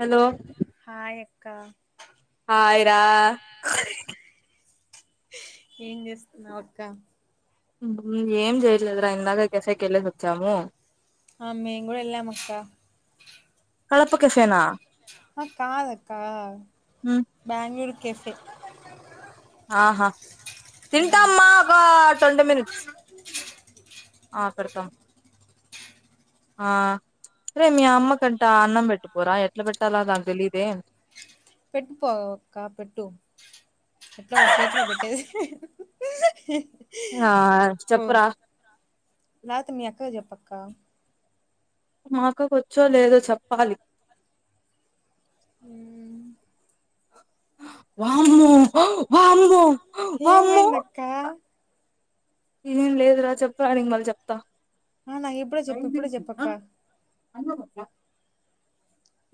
Hello కా hi రా ఏం చేస్తున్నావ్ అక్క ఏం ఏం చేయట్లేదు రా ఇందాకే కేఫైకి వెళ్ళేసి వచ్చాము ఆ మేము కూడా వెళ్ళాం అక్క కడప కెఫేనా ఆ కాదక్క బెంగళూరు కెఫే ఆహా తింటామ్మా ఒక ట్వంటీ మినిట్స్కే పడతా ఆ రేయ్ మీ అమ్మ కంట అన్నం పెట్టుపోరా ఎట్లా పెట్టాలా ద తెలిదే పెట్టుపో అక్క పెట్టు ఎట్లా వాడి చేతిలో పెట్టేది ఆ పో చెప్పురా లేతే మీ అక్కకి చెప్పు అక్క మా అక్కకి వచ్చే లేదో చెప్పాలి ఉ వామ్మో వామ్మో వామ్మో ఏమైందక్క ఏం లేదు రా చెప్పారా మళ్ళీ నీకు చెప్తా ఆ నాకు ఇప్పుడే చెప్పు ఇప్పుడే చెప్పక్క [unintelligible]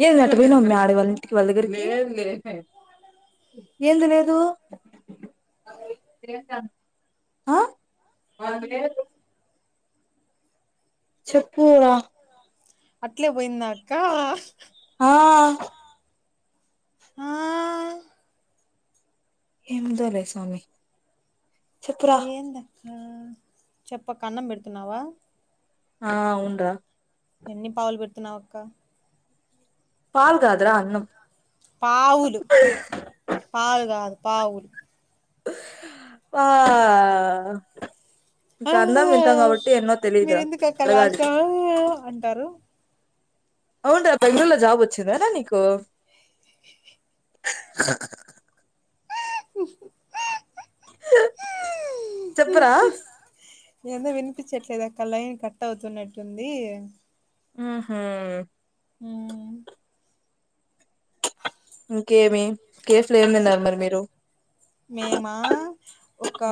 ఏమే అట్ట పోయిన మే వాళ్ల ఇంటికి వాళ్ళ దగ్గరికి ఏందీ లేదు ఆ చెప్పురా అట్లే పోయిందక్క ఆ ఆ ఏముదోలే స్వామి చెప్పురా ఏందక్క చెప్ప అక్క అన్నం పెడుతున్నావా ఆ అవునూ రా ఎన్ని పావులు పెడుతున్నావ అక్క పాలు కాదురా అన్నం పావులు పాలు కాదు పావులు ఆ ఇక ఆ అందరం తినటం కాబట్టి ఎన్నో తెలిదు రా మీరెందుకు అక్క అడగాలి లాస్ట్ లో ఆ అంటారు అవును రా బెంగళూరులో జాబ్ వచ్చిందేనా నీకు చెప్పురా ఏందో వినిపించట్లేదా అక్క లైన్ కట్ అవుతున్నట్టుంది ఉహు ఉ ఇంకే ఏమి ఏం తిన్నారు మరి మీరు మేమా ఒక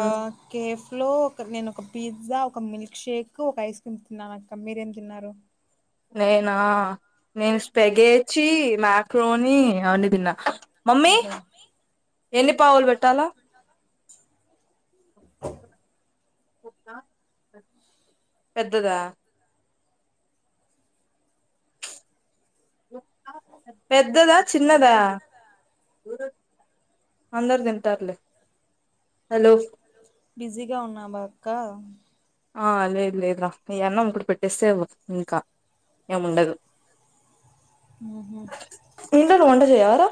కేఫ్ లో ఒక నేను ఒక పిజ్జా ఒక మిల్క్ షేక్ ఒక ఐస్ క్రీమ్ తిన్నానక్క మీరేం తిన్నారు నేనా నేను స్పెగేచి మ్యాక్రోని అవన్నీ తిన్నా మమ్మీ ఓహో ఎన్ని పావులు పెట్టాలా కుక్క పెద్దదా పెద్దదా చిన్నదా అందరు తింటారులే హలో బిజీగా ఉన్నావా అక్క ఆ లేదు లేదు రా ఈ అన్నం ఒకటి పెట్టేస్తే వ ఇంకా ఏముండదు ఉహు ఇంట్లో నువు వంట చేయవారా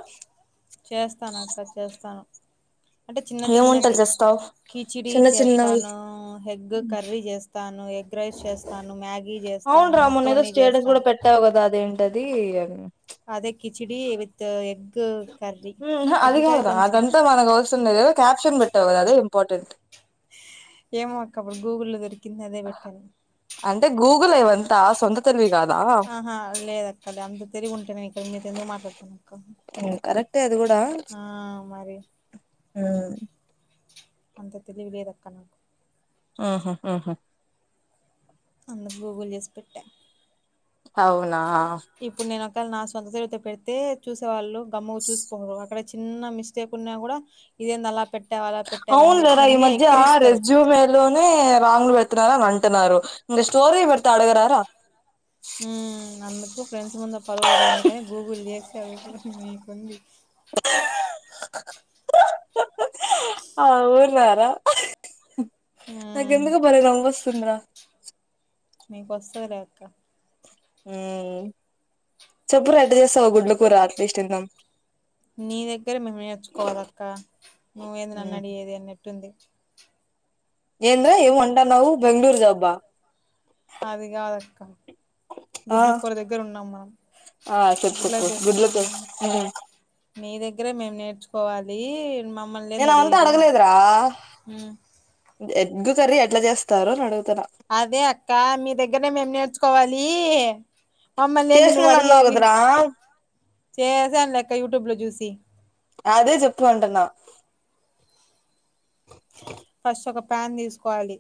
చేస్తానక్క చేస్తాను అంటే చిన్న ఏం వంటలు చిన్నటి చేస్తావు కిచిడి చిన్న చిన్నవి చేస్తాను హెగ్ కర్రీ చేస్ తాను ఎగ్ రైస్ చేస్తాను మ్యాగ్ అవును రా మొన్న ఏదో స్టేటస్ కూడా పెట్టావు కదా అదేంటది అదే కిచిడి విత్ ఎగ్ కర్రీ ఉహు ఎగ్ అది కాదు కర్రీ రా కొంచెం అదంతా మనకు అవసరం లేదు ఏదో క్యాప్షన్ పెట్టవ్ కదా అదే ఇంపార్టెంట్ ఏమో అక్క అప్పుడు గూగుల్ లో దొరికింది అదే పెట్టాను గులేవంతా సొంత తెలివి గాద్ ఆహా లేదక్క గంత తెలివి ఉంటే నేను ఇక్కడ మీతో ఎందుకు మాట్లాడతానక్క కరెక్టే అది ఆ మరి ఆ అంత తెలివి లేదక్క నాకు ఆహా ఆహా అందుకు గూగుల్ చేసి పెట్టా అవునా కాదు నా సొంత తెలివితో పెడితే చూసేవాళ్ళు గమ్ముగ చూసిపోరు అక్కడే చిన్న మిస్టేక్ ఉన్నా కూడా ఇదేంది అలా పెట్ అవును లేరా ఈ మధ్య ఆ రెజ్యూమే లోనే రాంగ్లు పెడుతున్నారని అం నారు ఇంగ స్టోర్ పెడ్తే ఆడుగరరా ఊ అందుకు ఫ్రెండ్స్ ముందు పరువు పోవడం ఎందుకని గూగుల్ ఎవరికి నీకుంది అవునా రా ఉమ్. నాకెందుకో బలే నవ్వొస్తుందిరా మీకు వస్తదివలేక్క ఉ చెప్పురా ఎట్ల చేస్తావో గుడ్ల కూర అట్లీస్ట్ ఇందం నీ దగ్గర మేము నేర్చుకోవాలక్క నువ్వేంది నన్ను మ్మ్ అడిగేది అన్నట్టు ఉంది ఏంద్ర ఏమో అంటన్నావు బెంగళూర్ జాబా అది కాదక్క ఆ గుడ్ల కూర దగ్గర ఉన్నాం మనం ఆ చెప్పు చెప్పు గుడ్లద్దగర గుడ్ల కూర మ్మ్ మీ దగ్గరే మేము నేర్చుకోవాలి మా నేను అవంతా అడగలేదురా ఎగ్గు కర్రి ఎట్లా చేస్తారు అని అడుగు అదే అక్క మీ దగ్గరనే మేం నేర్చుకోవాలి మమ్మల్ని లేంది నువ్వు చేసినాను అన్నావు అడిగేది కదరా చేసాను లెక్క యూట్యూబ్ లో చూసి అదే చెప్పుమంటున్నా ఫస్ట్ ఒక ప్యాన్ తీసుకోవాలి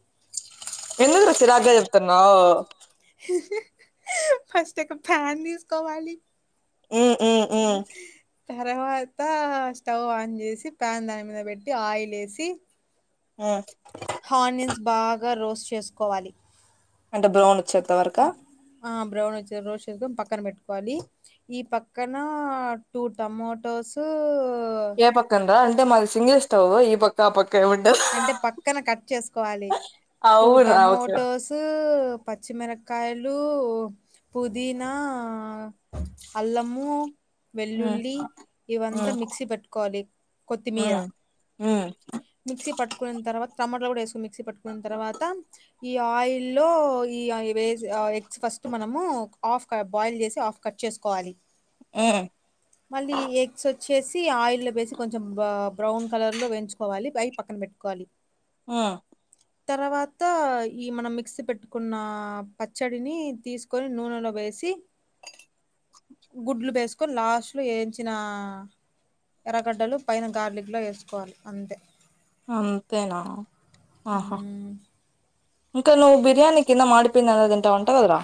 ఎందుకు చిరాక్ గా చెప్తాన్నావు ఫస్ట్ ఒక ఫ్యాన్ తీసుకోవాలి ఉమ్ ఉమ్ హి ఉమ్ తర్వాత స్టవ్ ఆన్ చేసి ప్యాన్ దాని మీద పెట్టి ఆయిల్ వేసి ఉమ్ ఆనియన్స్ బాగా రోస్ట్ చేసుకోవాలి అంటే బ్రౌన్ వచ్చేంత వరక ఆ బ్రౌన్ వచ్చ రోస్ట్ చేసుకొని పక్కన పెట్టుకోవాలి ఈ పక్కన టూ టమోటోస్ సో ఏ పక్కనరా అంటే మాది సింగిల్ స్టవ్ ఈ పక్క ఏమి ఉండదు అంటే పక్కన కట్ చేసుకోవాలి టూ అవునా ఓకే టమోటోస్ పచ్చిమిరకాయలు పుదీనా అల్లమూ ఉమ్ వెల్లుల్లి ఇవంతా ఉమ్ మిక్సీ పెట్టుకోవాలి కొత్తిమీర ఉమ్ ఉమ్ మిక్సీ పట్టుకున్న తర్వాత టమాటలు కూడా వేసుకోని మిక్సీ పట్టుకున్న తర్వాత ఈ ఆయిల్ లో ఈ వేసి ఆ ఎగ్స్ ఫస్ట్ మనము ఆఫ్ క బాయిల్ చేసి ఆఫ్ కట్ చేసుకోవాలి ఉమ్ మళ్ళీ ఎగ్స్ చేసి ఆయిల్ వేసి కొంచెం బ్రౌన్ కలర్ లో వేయించుకోవాలి పై పక్కన పెట్టుకోవాలి ఆ తర్వాత ఈ మనం మిక్సీ పెట్టుకున్న పచ్చడిని తీసుకొని నూనెలో వేసి సి గుడ్లు వేసుకొని లాస్ట్ లో ఏంచిన ఎరగడ్డలు పైన గార్లిక్ లో వేసుకోవాలి అంతే అంతేనా ఆహా మ్మ్. ఇంకా నువ్ బిర్యానీ కింద మాడిపోయింది అన్నది ఇంటా అంటావు కదరా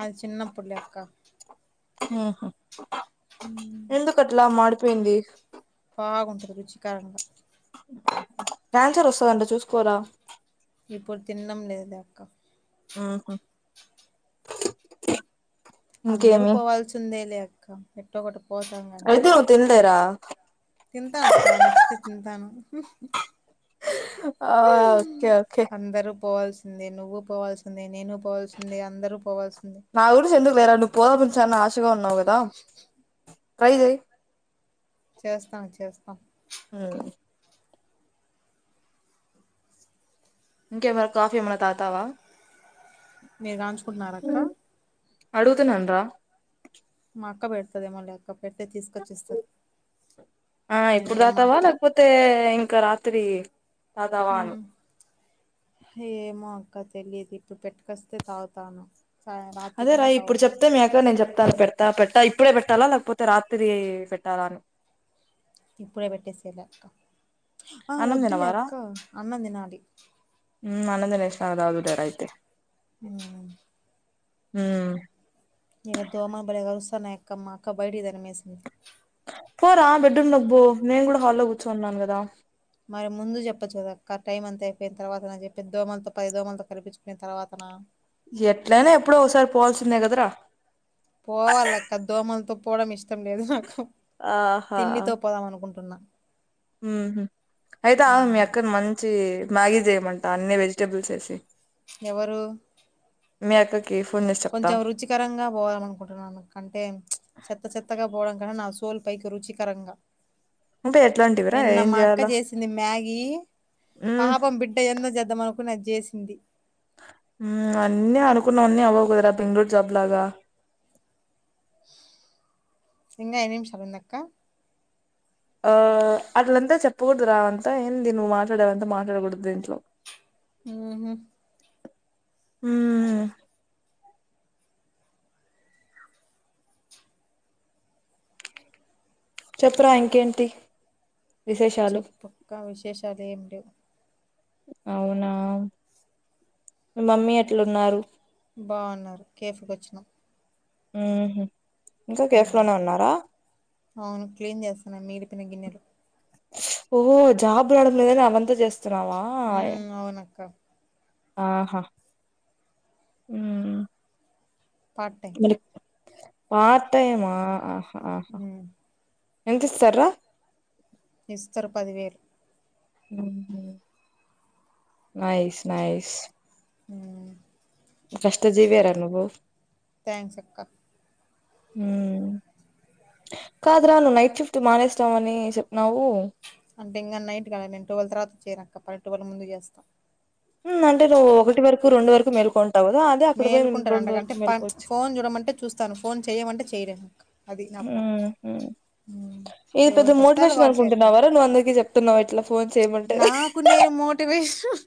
అది చిన్నపుడు లే అక్క ఉహు ఎందుకట్లా మడిపోయింది బాగుంటది రుచికరంగా క్యాన్సర్ వస్తుందంట చూసుకోరా ఇప్పుడు తినడం లేదు అక్క ఆహా అందరూ పోవాల్సి ఉందే లే అక్క ఎట్టో ఒ అయితే వ తెల్దరా తింటా అక్క నచ్చితే తింటాను ఆ ఓకే ఓకే పోవల్సింది నువ్వు పోవాల్సింది నేను పోవాల్సింది అందరు పో నా గురించి ఎందుకు లేరా నువ్వు పోదామించాని ఆశగా ఉన్నావు కదా ట్రై చేయ్ చేస్తాను చేస్తాం ఇంకేమైనా కాఫీ ఏమైనా తాగుతావా మీరు దంచుకున్నార అక్క అడుగుతునాను రా మాక్క పెడతది ఏమో లే ఆ నేను ఇప్పుడు మీతో తాతావా మాట్లా లేకపోతే ఇంకా రాత్ర త్రే హ్మ్ ఏ మా ఇంకా తెలియదు ఇప్పుడు పెట్టుకొస్తే తాగుతాను సా అదే రా రాత్రికైనా ఇప్పుడు తాగుతాను చెప్తే మ్యాటరు నేను చెప్ పెతా పెడతా పెట్టా ఇప్పుడే పెట్టాలా లేకపోతే రాత్రి పెట్టాలా అని ఇప్పుడే పెట్టేసేయిలే అక్క ఆ అన్నం తినవారా వద్దులేక్క అన్నం తినాలి షదదు ధేర అయితే హ్మ్ హ్మ్ ఇక దోమన బడి కలుస్తాన్నా ఎక్కమ్మా క బయటికి తరీమేసింది పోరా బెడ్రూమ్ లోకి పో నేను కూడా హాల్లో కూర్చోనీ ఉన్నాను కదా మరి ముందు చెప్పచ్చు కదాక్క టైం అంత అయిపోయిన తర్వాత నా చెప్పి దోమలతో పది దోమలతో కల్పించుకున్న తర్వాత నా ఎట్లైనా ఎప్పుడో ఒకసారి పోవాల్సిందే కదరా పోవాల అక్క దోమలతో పోవడం ఇష్టం లేదు నాకు తిండితో పోదాం అనుకుం మ్మ్ హ్మ్ అయితే ఆగ మీ ఉమ్, అక్కనీ మంచి మ్యాగీ చేయమంట అన్ని వెజిటేబుల్స్ వేసి ఎవరు మీ అక్క కొంచెం రుచికరంగా పోదాము అనుకుంటున్నాను అంటే చెత్త చెత్తగా పోవడం నా సోల్ పైకి రుచికరంగా అంటే ఎట్లాంటివిరా నిన్న ఏం మా అక్క చేయాలా చేసింది మ్యాగీ మ్మ్ పాపం బిడ్డ ఎందో జే అద్దమనుకు అది చేసింది అన్నీ అనుకున్నా అన్న అవ్వవు కుదరా బెంగళూరు జాబ్ లాగా ఇంకా ఇని నీమిషాలుంది అక్క ఆ అట్లంతా చెప్పకూడదు రా అంతా ఏంటి నువ్వు మాట్లాడేవంతా మాట్లాడకూడదు దీంట్లో మ్మ్ హ్మ్ మ్మ్ చెప్పరా ఇంకేంటి విశేషాలు చెప్పు అక్క విశేషాలు ఏమి లేవు అవునా మమ్మీ ఎట్లు ఉన్నారు బాగున్నారు కేఫీకి వచ్చినా మ్మ్ హ్మ్ ఇంకా మ్ కేఫ్లోనే ఉన్నారా అవును క్లీన్ చేస్తన్నాను మిగిలిపోయిన గిన్నెలు ఓహ జాబు రావడం లేదని అది అంతా జస్త ఆ వచ్చనావా మ్ అవునక్క ఆహా హ్మ్ పార్ట్ టైమ్ పార్ట్ టైమా ఆ ఆహా ఆహా మ్ ఎంత ఇస్తారు రా ఇస్తరు పదివేలు హూ హమ్ నైస్ నైస్ ఆ కష్ట జీ వే రా నువ్వు థ్యాంక్స్ అక్క ఉం కాదురా నువ్వు నైట్ షిఫ్ట్ మానేస్తావని చెప్పినావు అంటే ఇంకా నైట్ కాదు నేను ట్వెల్వ్ తర్వాత చేయనక్క టువెల్ ముందు చేస్తాం ఉం అంటే నువ్వు ఒకటి వరకు రెండు వరకు మెల్కుంటా మేలుకుంటారు అండగా అంటే ఫోన్ చూడమంటే చూస్తాను ఫోన్ చేయమంటే చెయలేను అది నా ప్ర మ్మ్ హ్మ్ [unintelligible] ఇది పెద్ద మోటివేషన్ అక్క అనుకుంటున్నావరా నువ్వు అందరికి చెప్తున్నావా ఇట్లా ఫోన్ చేయమంటే మోటివేశన్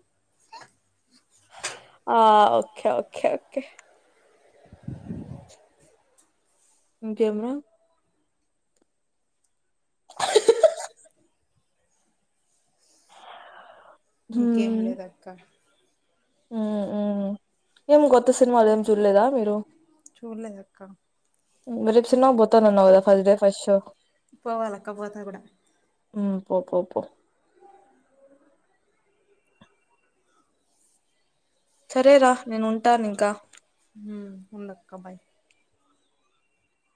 ఆ ఓకే ఓకే ఓకే ఇంకేమి రా ఇంకేం లేదు అక్క ఉం ఉం ఏం కొత్త సినిమాలు ఏమి చూడలేదా మీరు చూడలేదక్క మరిచ్చనా బోతన ఉ ఫస్ట్డే ఫస్ట్ ో [unintelligible] పోవాలక్క పోతా కూడా ఉం పో పో పో సరేరా నేను ఉంటాను ఇంకా ఉం ఉండక్క బాయ్